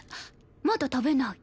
まだ食べない。